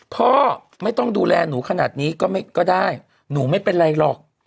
พ่อไม่ต้องดูแลหนูขนาดนี้ก็ได้หนูไม่เป็นไรหรอก